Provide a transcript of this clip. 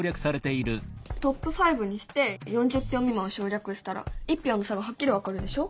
トップ５にして４０票未満は省略したら１票の差がはっきり分かるでしょ？